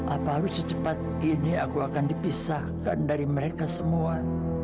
apa harus secepat ini aku akan dipisahkan dari mereka semua